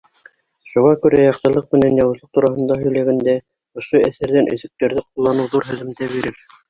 Шуға күрә яҡшылыҡ менән яуызлыҡ тураһында һөйләгәндә, ошо әҫәрҙән өҙөктәрҙе ҡулланыу ҙур һөҙөмтә бирер.